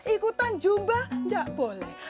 ikutan jumba enggak boleh